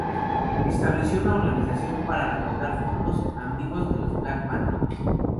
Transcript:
Estableció una organización para recaudar fondos "Amigos de los Black Panthers".